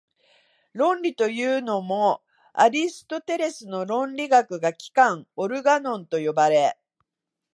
論理というものも、アリストテレスの論理学が「機関」（オルガノン）と呼ばれ、